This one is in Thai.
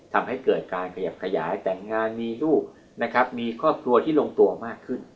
ทำให้เกิดการขยับขยายแต่งงานมีลูกนะครับมีครอบครัวที่ลงตัวมากขึ้น